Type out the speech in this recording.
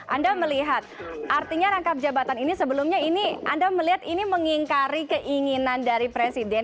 anda melihat artinya rangkap jabatan ini sebelumnya ini anda melihat ini mengingkari keinginan dari presiden